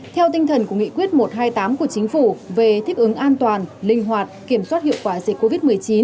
theo tinh thần của nghị quyết một trăm hai mươi tám của chính phủ về thích ứng an toàn linh hoạt kiểm soát hiệu quả dịch covid một mươi chín